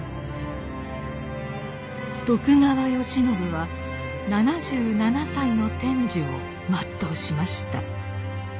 徳川慶喜は７７歳の天寿を全うしました。